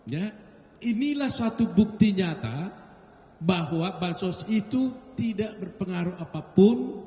ya inilah suatu bukti nyata bahwa bansos itu tidak berpengaruh apapun